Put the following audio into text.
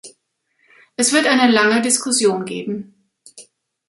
Es wird eine lange Diskussion geben.